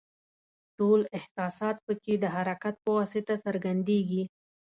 ټول احساسات پکې د حرکت په واسطه څرګندیږي.